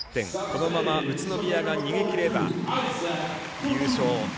このまま宇都宮が逃げきれば優勝。